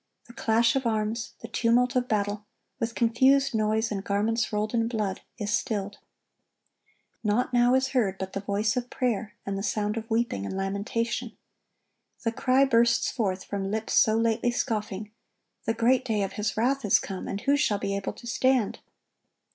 The clash of arms, the tumult of battle, "with confused noise, and garments rolled in blood,"(1109) is stilled. Naught now is heard but the voice of prayer and the sound of weeping and lamentation. The cry bursts forth from lips so lately scoffing, "The great day of His wrath is come; and who shall be able to stand?"